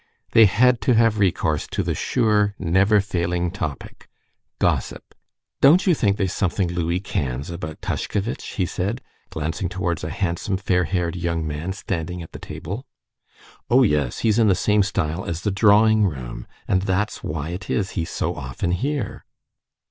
They had to have recourse to the sure, never failing topic—gossip. "Don't you think there's something Louis Quinze about Tushkevitch?" he said, glancing towards a handsome, fair haired young man, standing at the table. "Oh, yes! He's in the same style as the drawing room and that's why it is he's so often here."